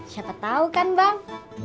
siapa tau kan bang